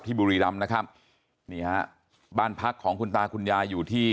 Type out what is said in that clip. บุรีรำนะครับนี่ฮะบ้านพักของคุณตาคุณยายอยู่ที่